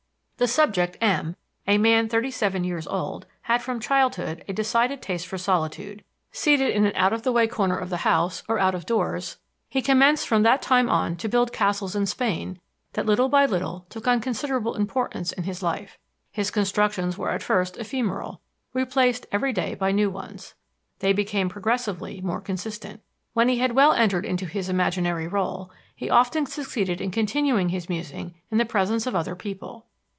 The subject, M......, a man thirty seven years old, had from childhood a decided taste for solitude. Seated in an out of the way corner of the house or out of doors, "he commenced from that time on to build castles in Spain that little by little took on a considerable importance in his life. His constructions were at first ephemeral, replaced every day by new ones. They became progressively more consistent.... When he had well entered into his imaginary rôle, he often succeeded in continuing his musing in the presence of other people.